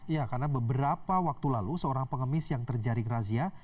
ya karena beberapa waktu lalu seorang pengemis yang terjaring razia